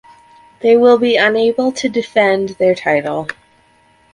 They will be unable to defend their title.